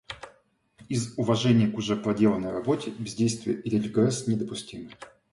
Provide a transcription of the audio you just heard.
Из уважения к уже проделанной работе бездействие или регресс недопустимы.